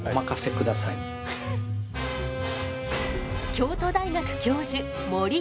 京都大学教授森くん。